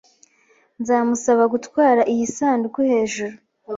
Nzamusaba gutwara iyi sanduku hejuru.